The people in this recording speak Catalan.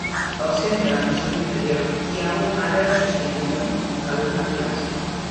Al centre, en el seu interior, hi ha una ara sostinguda per una pilastra.